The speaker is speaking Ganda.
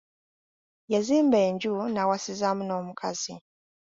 Yazimba enju n'awasizaamu n'omukazi.